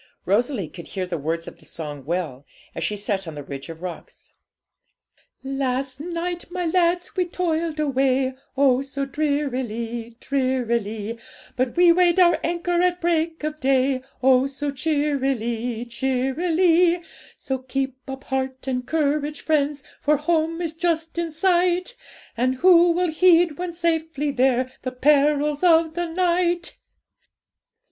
Rosalie could hear the words of the song well, as she sat on the ridge of rocks 'Last night, my lads, we toiled away, Oh! so drearily, drearily; But we weighed our anchor at break of day, Oh! so cheerily, cheerily; So keep up heart and courage, friends! For home is just in sight; And who will heed, when safely there, The perils of the night?